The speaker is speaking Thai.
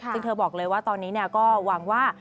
ซึ่งเธอบอกเลยว่าตอนนี้ก็หวังว่า